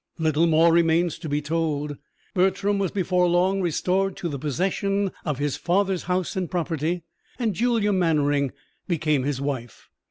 Little more remains to be told. Bertram was before long restored to the possession of his father's house and property, and Julia Mannering became his wife.